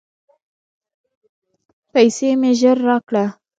پیسې مي ژر راکړه !